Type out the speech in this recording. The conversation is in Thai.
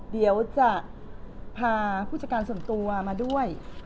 เดี๋ยวจะพาผู้จัดการส่วนตัวมาด้วย